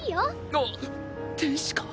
あっ天使か。